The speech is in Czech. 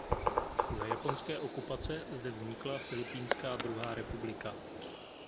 Za japonské okupace zde vznikla Filipínská druhá republika.